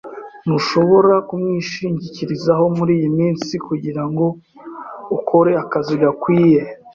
Ntushobora kumwishingikirizaho muriyi minsi kugirango ukore akazi gakwiye.